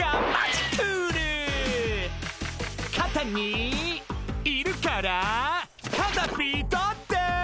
「かたにいるからカタピーだって」